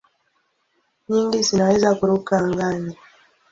Nyingi zinaweza kuruka angani.